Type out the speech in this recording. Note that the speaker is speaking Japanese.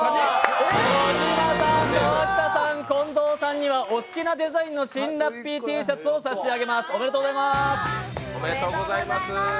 小島さん、川北さん、近藤さんにはお好きなデザインの新ラッピーＴシャツを差し上げます。